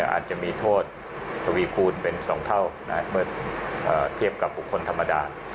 อาจจะมีโทษทวีคูณเป็น๒เท่าเมื่อเทียบกับบุคคลธรรมดา